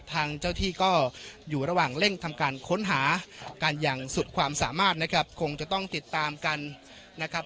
ทางเจ้าที่ก็อยู่ระหว่างเร่งทำการค้นหากันอย่างสุดความสามารถนะครับคงจะต้องติดตามกันนะครับ